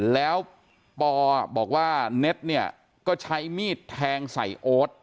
แล้วปอบอกว่าเน็ตเนี่ยก็ใช้มีดแทงใส่โอ๊ต